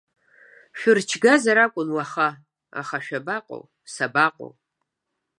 Шәырчгазар акәын уаха, аха шәабаҟоу, сабаҟоу!